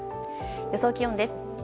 予想気温です。